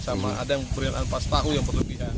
sama ada yang berianan pas tahu yang berlebihan